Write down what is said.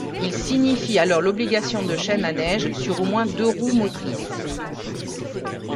Il signifie alors l'obligation de chaînes à neige sur au moins deux roues motrices.